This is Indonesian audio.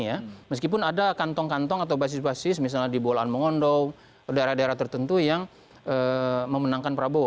walaupun ada kantong kantong atau basis basis misalnya di bolaan mengondong daerah daerah tertentu yang memenangkan prabowo